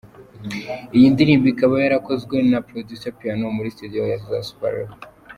Iyi ndirimbo ikaba yarakozwe na producer Piano muri studio za Super level.